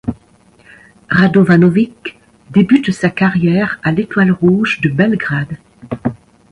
Radovanović débute sa carrière à l'Étoile Rouge de Belgrade.